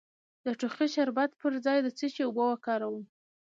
د ټوخي د شربت پر ځای د څه شي اوبه وکاروم؟